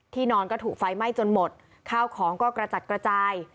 นอนก็ถูกไฟไหม้จนหมดข้าวของก็กระจัดกระจาย